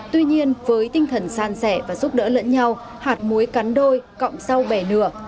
tuy nhiên với tinh thần san sẻ và giúp đỡ lẫn nhau hạt muối cắn đôi cộng sau bẻ nửa